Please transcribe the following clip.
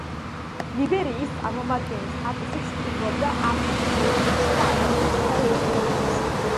ლიბერიის წარმომადგენლის სტატუსით სტუმრობდა აფრიკის, ევროპისა და ამერიკის მთელ რიგ ქვეყნებს.